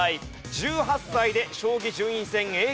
１８歳で将棋順位戦Ａ級昇級。